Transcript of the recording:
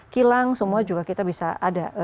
kilang semua juga kita bisa ada